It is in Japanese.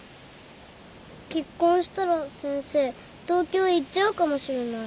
結婚したら先生東京行っちゃうかもしれない。